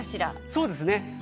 そうですね。